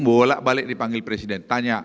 bolak balik dipanggil presiden tanya